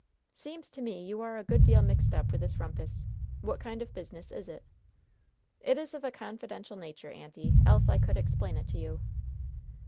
"Seems to me you are a good deal mixed up with this rumpus. What kind of business is it?" "It is of a confidential nature, auntie, else I could explain it to you."